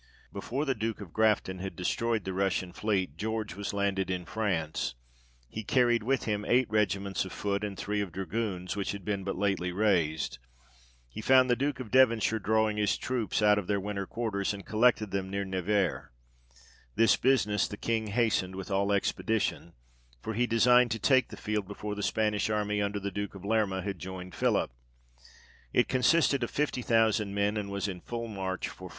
Before the Duke of Grafton had destroyed the Russian fleet, George was landed in France ; He carried with him eight regiments of foot, and three of dragoons, who had been but lately raised. He found the Duke of Devonshire drawing his troops out of their winter quarters, and collecting them near Nevers ; this business the King hastened with all expedition, for he designed to take the field before the Spanish army under the Duke of Lerma had joined Philip ; it consisted of fifty thousand men, and was in full march for France.